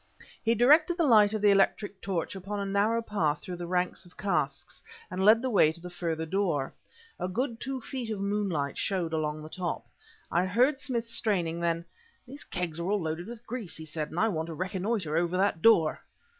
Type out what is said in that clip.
He directed the light of the electric torch upon a narrow path through the ranks of casks, and led the way to the further door. A good two feet of moonlight showed along the top. I heard Smith straining; then "These kegs are all loaded with grease!" he said, "and I want to reconnoiter over that door."